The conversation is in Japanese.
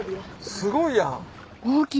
すごいやん！